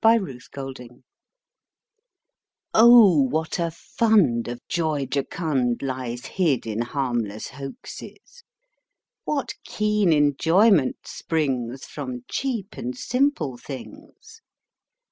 THE PRACTICAL JOKER Oh, what a fund of joy jocund lies hid in harmless hoaxes I What keen enjoyment springs Froni>!heap and simple things!